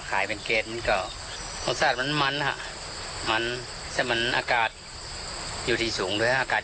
ถ้าอย่างเป็นเกตครับความจำเป็นเกตนะครับ